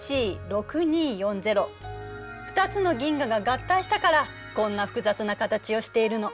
２つの銀河が合体したからこんな複雑な形をしているの。